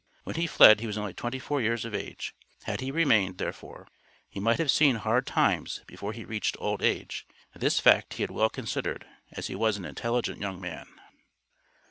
When he fled he was only twenty four years of age. Had he remained, therefore, he might have seen hard times before he reached old age; this fact he had well considered, as he was an intelligent young man.